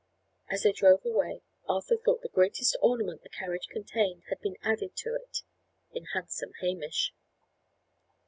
As they drove away, Arthur thought the greatest ornament the carriage contained had been added to it in handsome Hamish.